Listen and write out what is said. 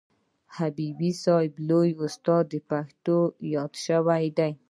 حبیبي صاحب لوی استاد د پښتو یاد سوی دئ.